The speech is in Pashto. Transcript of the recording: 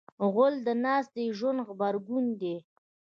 غول د ناستې ژوند غبرګون دی.